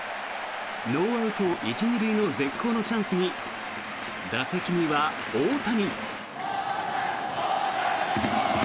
ノーアウト１・２塁の絶好のチャンスに打席には大谷。